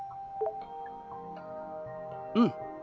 うん。